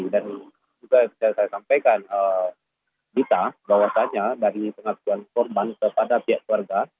dan juga saya sampaikan kita bahwasannya dari pengakuan korban kepada pihak keluarga